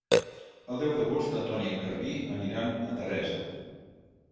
El deu d'agost en Ton i en Garbí aniran a Teresa.